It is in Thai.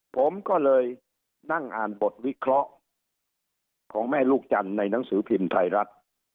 ผมก็เลยนั่งอ่านบทวิเคราะห์ของแม่ลูกจันทร์ในหนังสือพิมพ์ไทยรัฐ